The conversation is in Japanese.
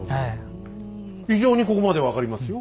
非常にここまで分かりますよ。